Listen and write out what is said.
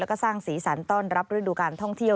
แล้วก็สร้างสีสันต้อนรับฤดูการท่องเที่ยว